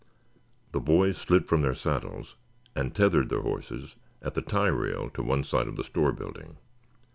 The boys slid from their saddles and tethered their horses at the tie rail to one side of the store building.